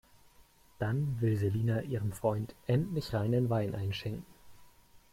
Dann will Selina ihrem Freund endlich reinen Wein einschenken.